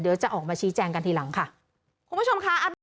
เดี๋ยวจะออกมาชี้แจงกันทีหลังค่ะคุณผู้ชมค่ะ